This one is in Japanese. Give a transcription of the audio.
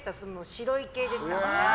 白い系でした？